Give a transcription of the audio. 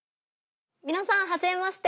みなさんはじめまして。